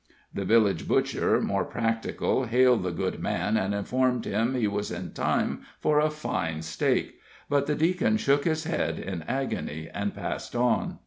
The village butcher, more practical, hailed the good man, and informed him he was in time for a fine steak, but the Deacon shook his head in agony, and passed on.